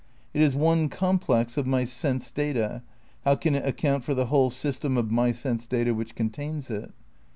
It is one complex of my sense data, how can it account for the whole sys tem of my sense data which contains it?